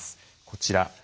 こちら。